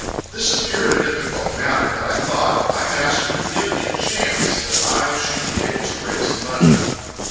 This appeared a difficult matter, but I thought if my master would give me a chance, that I should be able to raise the money.